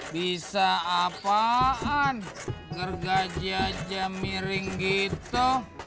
bisa apaan gergaji aja miring gitu